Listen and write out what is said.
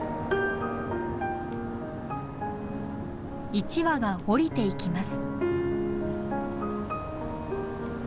一羽が降りていきます。